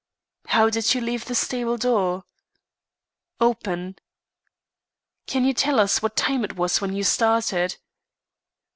"How did you leave the stable door?" "Open." "Can you tell us what time it was when you started?"